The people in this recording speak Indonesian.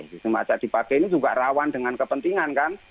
sistem acak dipakai ini juga rawan dengan kepentingan kan